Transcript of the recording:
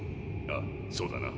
ああそうだな。